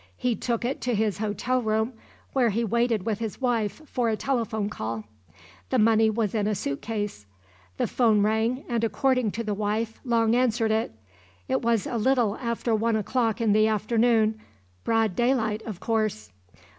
He took it to his hotel room where he waited with his wife for a telephone call. The money was in a suitcase. The phone rang and according to the wife Long answered it. It was a little after one o'clock in the afternoon broad daylight, of course.